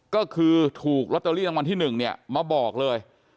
ก็คือถูกลอตเตอรี่ดังวันที่๑มาบอกเลย